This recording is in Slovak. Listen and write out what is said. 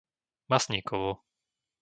Masníkovo